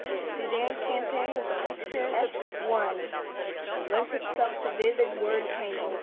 The Soudan campaign was a picturesque one, and lent itself to vivid word painting.